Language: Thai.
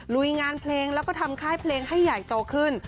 ลุยงานเพลงแล้วก็ทำค่ายเพลงให้ใหญ่โตขึ้น